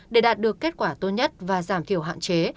để đạt được kết quả tốt nhất và giảm thiểu hạn chế